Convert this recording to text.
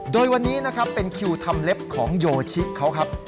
โดยวันนี้นะครับเป็นคิวทำเล็บของโยชิเขาครับ